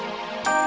bapak jadi paham